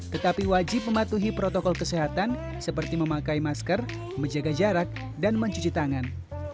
tetapi wajib mematuhi protokol kesehatan seperti memakai masker menjaga jarak dan mencuci tangan